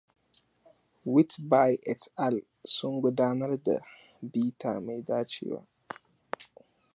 Whitby et al. Sun gudanar da bita mai dacewa.